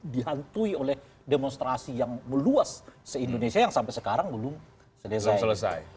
dihantui oleh demonstrasi yang meluas se indonesia yang sampai sekarang belum selesai